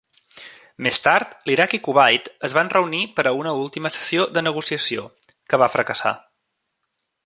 Més tard, l'Iraq i Kuwait es van reunir per a una última sessió de negociació, que va fracassar.